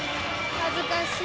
恥ずかしい。